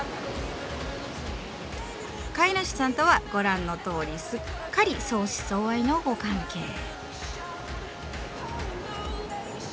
飼い主さんとはご覧のとおりすっかり相思相愛のご関係。